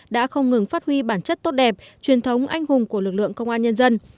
đã không ngừng phát huy bản chất tốt đẹp truyền thống anh hùng của lực lượng công an nhân dân